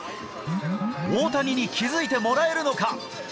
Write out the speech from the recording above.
大谷に気付いてもらえるのか。